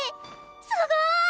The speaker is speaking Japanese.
すごい！